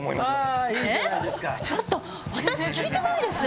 ちょっと私聞いてないです！